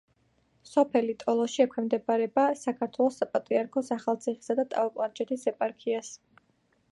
სოფელი ტოლოში ექვემდებარება საქართველოს საპატრიარქოს ახალციხისა და ტაო-კლარჯეთის ეპარქიას.